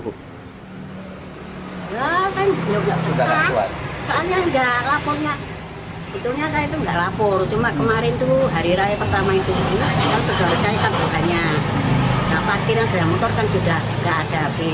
lapornya itu enggak lapor cuma kemarin tuh hari raya pertama itu sudah